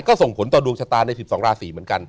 ก็ส่งผลต่อดวงชะตาใน๑๒ราศีเหมือนกัน